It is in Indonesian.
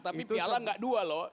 tapi piala nggak dua loh